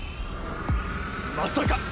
まさか！